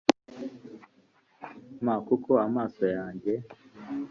m kuko amaso yanjye